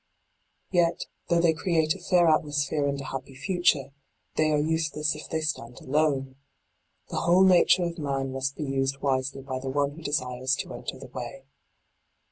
Yet, though they create a fair atmosphere and a happy future, they are useless if they stand alone. The whole nature of man must be used wisely by the one who desires to enter the way.